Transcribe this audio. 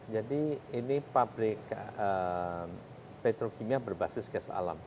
jadi ini pabrik petrokimia berbasis gas alam